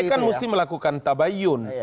ya saya kan harus melakukan tabayun